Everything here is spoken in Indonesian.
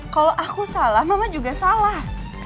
kalau aku salah mama juga salah